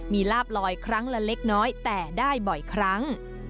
มีลาบลอยครั้งละเล็กน้อยแต่ได้บ่อยครั้ง